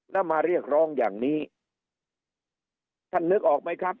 แล้วมาเรียกร้องอย่างนี้ท่านนึกออกไหมครับ